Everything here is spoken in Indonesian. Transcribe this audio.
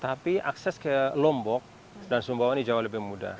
tapi akses ke lombok dan sumbawa ini jauh lebih mudah